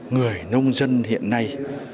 người nông dân hiện nay